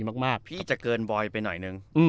มากมากพี่จะเกินบอยไปหน่อยหนึ่งอืม